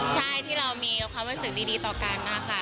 ใช่ที่เรามีความรู้สึกดีต่อกันนะคะ